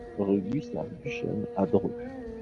Rue Gustave Duchesne à Dreux